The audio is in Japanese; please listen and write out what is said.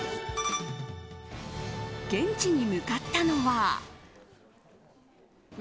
現地に向かったのは。